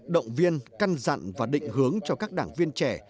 động viên căn dặn và định hướng cho các đảng viên trẻ